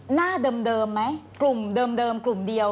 หน้าเดิมไหมกลุ่มเดิมกลุ่มเดียว